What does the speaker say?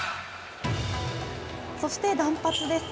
そして断髪です。